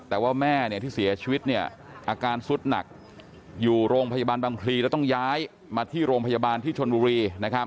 แต่ว่าแม่ที่เสียชีวิตอาการสุดหนักอยู่โรงพยาบาลบางพลีแล้วต้องย้ายมาที่โรงพยาบาลที่ชนบุรี